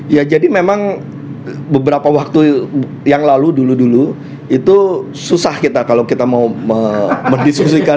ya jadi memang beberapa waktu yang lalu dulu dulu itu susah kita kalau kita mau mendiskusikan